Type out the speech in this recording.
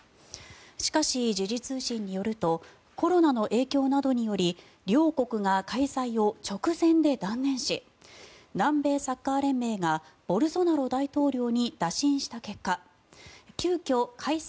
しかし、時事通信によるとコロナの影響などにより両国が開催を直前で断念し南米サッカー連盟がボルソナロ大統領に打診した結果急きょ開催